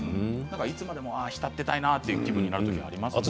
いつまでも浸っていたいという気分になりますね。